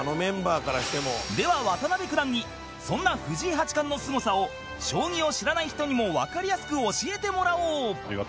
では渡辺九段にそんな藤井八冠のすごさを将棋を知らない人にもわかりやすく教えてもらおう